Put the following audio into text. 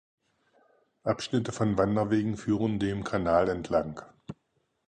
Abschnitte von Wanderwegen führen dem Kanal entlang.